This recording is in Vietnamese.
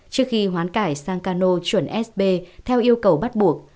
trước khi hoán cải sang cano chuẩn sb theo yêu cầu bắt buộc